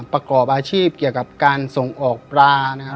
ประกอบอาชีพเกี่ยวกับการส่งออกปลานะครับ